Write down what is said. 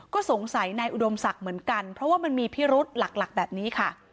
ก็สงสัยนายอุดมศักดิ์เหมือนกันเพราะว่ามันมีพิรุษหลักแบบนี้ค่ะ